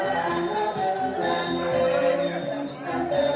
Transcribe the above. การทีลงเพลงสะดวกเพื่อความชุมภูมิของชาวไทย